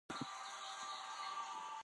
هغه د پاکوالي وسایل په سمه توګه کاروي.